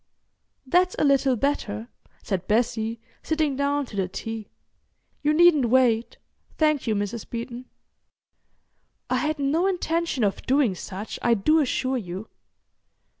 "That's a little better," said Bessie, sitting down to the tea. "You needn't wait, thank you, Mrs. Beeton." "I had no intention of doing such, I do assure you."